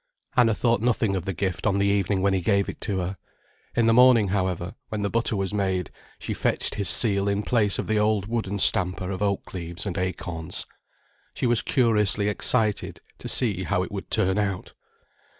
Anna thought nothing of the gift on the evening when he gave it to her. In the morning, however, when the butter was made, she fetched his seal in place of the old wooden stamper of oak leaves and acorns. She was curiously excited to see how it would turn out.